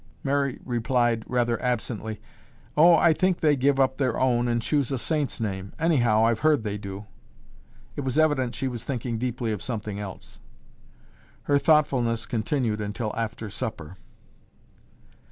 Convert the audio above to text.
Mary replied rather absently, "Oh, I think they give up their own and choose a saint's name. Anyhow, I've heard they do." It was evident she was thinking deeply of something else. Her thoughtfulness continued until after supper.